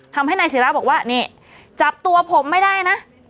ทำให้นายศิราบอกว่านี่จับตัวผมไม่ได้นะ